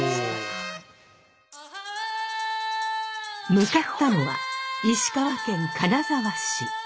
向かったのは石川県金沢市。